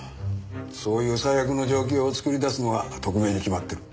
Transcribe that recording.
そういう最悪の状況を作り出すのは特命に決まってる。